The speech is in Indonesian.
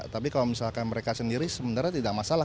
tapi kalau misalkan mereka sendiri sebenarnya tidak masalah